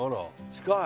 近い。